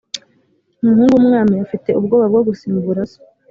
Umuhungu w’ umwami afite ubwoba bwo gusimbura se